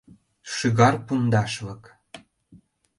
Шӱгар пундашлык!